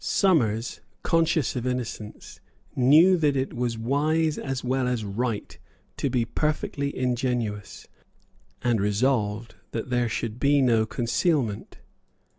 Somers, conscious of innocence, knew that it was wise as well as right to be perfectly ingenuous, and resolved that there should be no concealment.